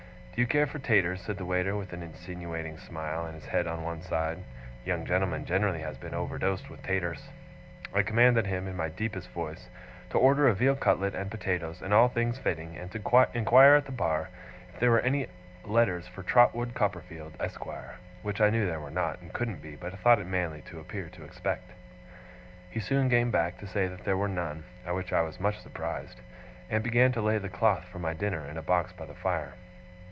'Do you care for taters?' said the waiter, with an insinuating smile, and his head on one side. 'Young gentlemen generally has been overdosed with taters.' I commanded him, in my deepest voice, to order a veal cutlet and potatoes, and all things fitting; and to inquire at the bar if there were any letters for Trotwood Copperfield, Esquire which I knew there were not, and couldn't be, but thought it manly to appear to expect. He soon came back to say that there were none (at which I was much surprised) and began to lay the cloth for my dinner in a box by the fire.